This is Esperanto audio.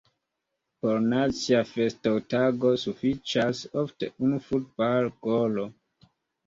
Por nacia festotago sufiĉas ofte unu futbalgolo.